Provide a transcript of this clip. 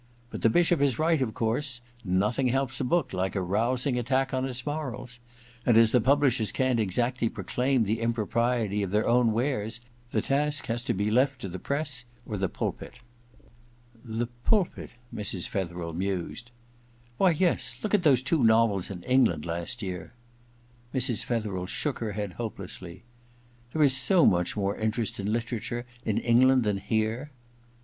'* But the Bishop is right, of course — nothing helps a book like a rousing attack on its morals ; and as the publishers can't exactly proclaim the impropriety of their own wares, the task has to be left to the press or the pulpit.' I04 EXPIATION III The pulpit ?* Mrs. Fetherd mused. *Why, yes — ^look at those two novels in England last year——' Mrs. Fetherel shook her head hopelessly. * There is so much more interest in literature in England than here.'